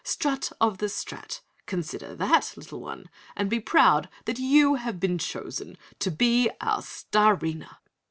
Strut of the Strat! Consider THAT, Little One, and be proud that you have been chosen to be our Starina!"